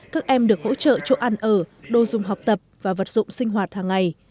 các em được hỗ trợ chỗ ăn ở đô dung học tập và vật dụng sinh hoạt hàng ngày